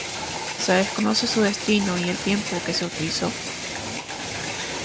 Se desconoce su destino y el tiempo que se utilizó.